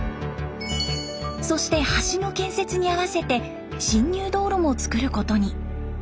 そして橋の建設に合わせて進入道路もつくることに。